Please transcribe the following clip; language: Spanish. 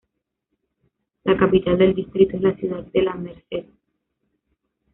La capital del distrito es la ciudad de La Merced.